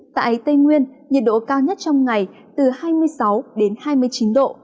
tại tây nguyên nhiệt độ cao nhất trong ngày từ hai mươi sáu đến hai mươi chín độ